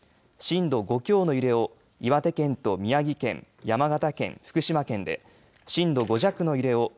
震度５強の揺れを岩手県と宮城県山形県、福島県で震度５弱の揺れを